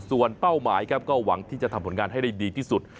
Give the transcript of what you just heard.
ส่วนเป้าหมายครับก็หวังที่จะทำผลงานให้ได้ดีที่สุด